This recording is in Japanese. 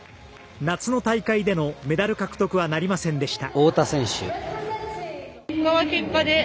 夏の大会でのメダル獲得はなりませんでした。